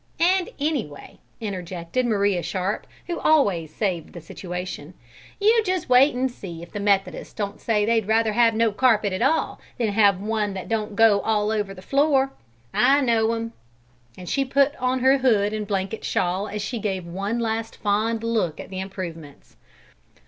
"And anyway," interjected Maria Sharp, who always saved the situation, "you just wait and see if the Methodists don't say they'd rather have no carpet at all than have one that don't go all over the floor. I know 'em!" and she put on her hood and blanket shawl as she gave one last fond look at the improvements.